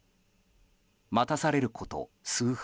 待たされること数分。